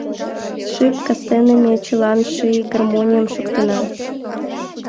Шып кастене ме чылан Ший гармоньым шоктена.